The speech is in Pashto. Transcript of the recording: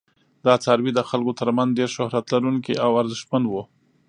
دا څاروي د خلکو تر منځ ډیر شهرت لرونکي او ارزښتمن وو.